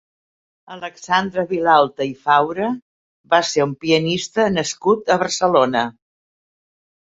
Alexandre Vilalta i Faura va ser un pianista nascut a Barcelona.